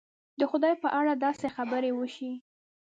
د خدای په اړه داسې خبرې وشي.